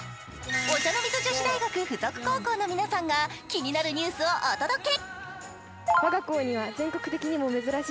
お茶の水女子大学附属高校の皆さんが、気になるニュースをお届け。